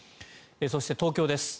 そして、東京です。